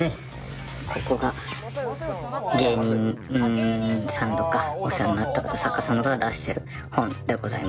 ここが芸人さんとかお世話になった方作家さんが出してる本でございます